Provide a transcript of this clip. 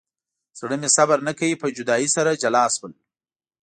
زړه مې صبر نه کوي په جدایۍ سره جلا شول.